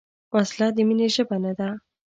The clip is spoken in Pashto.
وسله د مینې ژبه نه ده